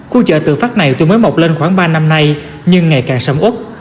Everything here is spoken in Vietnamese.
khu chợ tự phát này từ mới mọc lên khoảng ba năm nay nhưng ngày càng sấm út